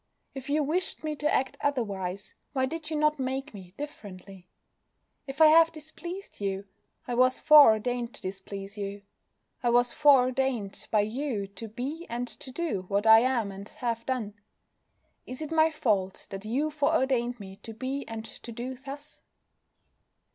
If You wished me to act otherwise, why did You not make me differently? If I have displeased You, I was fore ordained to displease You. I was fore ordained by You to be and to do what I am and have done. Is it my fault that You fore ordained me to be and to do thus?"